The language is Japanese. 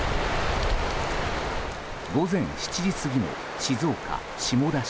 午前７時過ぎの静岡・下田市。